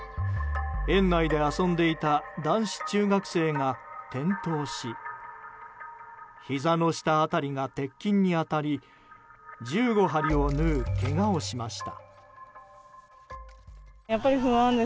園内で遊んでいた男子中学生が転倒しひざの下辺りが鉄筋に当たり１５針を縫うけがをしました。